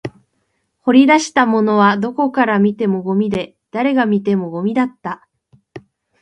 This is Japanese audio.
掘り出したものはどこから見てもゴミで、誰が見てもゴミだった